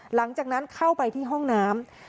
หลังจากนั้นเข้าไปที่ห้องน้ำ